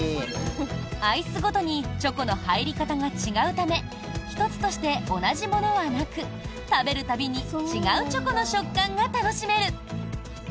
アイスごとにチョコの入り方が違うため１つとして同じものはなく食べる度に違うチョコの食感が楽しめる！